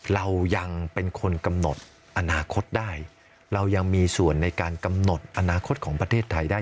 เรายังเป็นคนกำหนดอนาคตได้เรายังมีส่วนในการกำหนดอนาคตของประเทศไทยได้